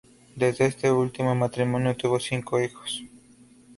De este ultimo matrimonio tuvo cinco hijos.